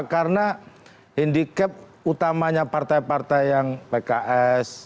karena handicap utamanya partai partai yang pks